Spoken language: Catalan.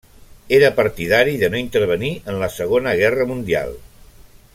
Era partidari de no intervenir en la Segona Guerra Mundial.